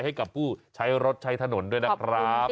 ให้กับผู้ใช้รถใช้ถนนด้วยนะครับ